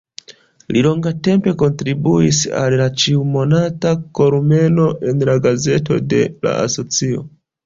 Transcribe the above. Li longtempe kontribuis al ĉiumonata kolumno en la gazeto de la asocio.